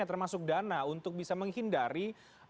termasuk dana untuk bisa menghindari